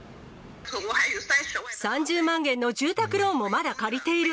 ３０万元の住宅ローンもまだ借りている。